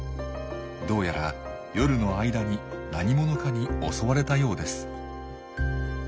どうやら夜の間に何者かに襲われたようです。